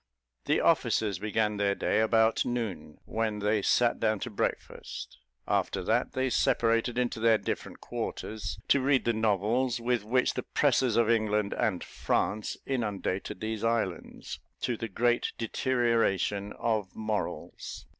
The officers began their day about noon, when they sat down to breakfast; after that, they separated to their different quarters, to read the novels, with which the presses of England and France inundated these islands, to the great deterioration of morals.